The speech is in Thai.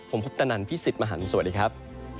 ผมพุทธนันพี่สิทธิ์มหันฯสวัสดีครับ